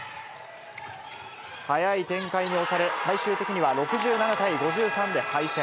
速い展開に押され、最終的には６７対５３で敗戦。